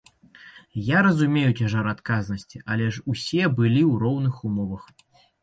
Я разумею цяжар адказнасці, але ж усе былі ў роўных умовах.